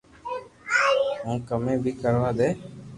ھين ڪمي بي ڪروا دي